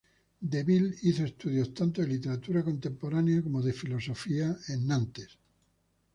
Deville hizo estudios tanto de literatura comparada como de filosofía en Nantes.